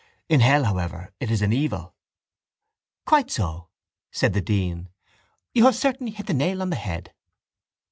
In hell, however, it is an evil. —Quite so, said the dean, you have certainly hit the nail on the head.